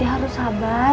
ya harus sabar